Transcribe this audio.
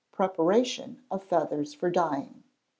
Preparation of Feathers for Dyeing.